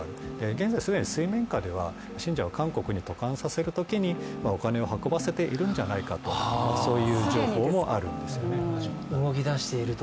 現在既に水面下では信者を韓国に渡韓させるときに、お金を運ばせているんじゃないかという情報もあるんですね。